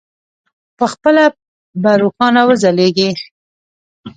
پخپله به روښانه وځلېږي.